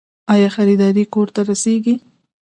آیا خریداري کور ته رسیږي؟